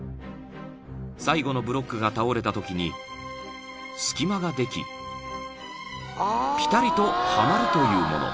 ［最後のブロックが倒れたときに隙間ができぴたりとはまるというもの］